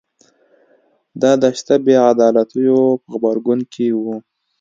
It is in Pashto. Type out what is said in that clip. دا د شته بې عدالتیو په غبرګون کې و